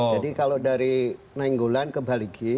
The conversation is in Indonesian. jadi kalau dari nainggolan ke baligi